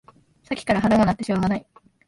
さっきから腹が鳴ってしょうがない